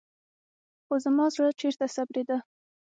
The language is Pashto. خو زما زړه چېرته صبرېده.